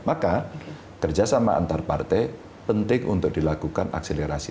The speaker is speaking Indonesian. maka kerjasama antar partai penting untuk dilakukan akselerasi